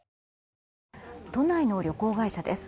都内の旅行会社です。